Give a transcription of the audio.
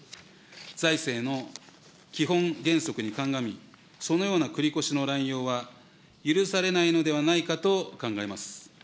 財政の基本原則に鑑み、そのような繰り越しの乱用は許されないのではないかと考えます。